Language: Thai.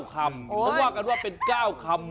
เพราะว่ากันว่าเป็น๙คำหมด